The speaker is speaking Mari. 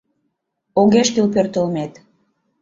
Огеш кӱл пöртылмет.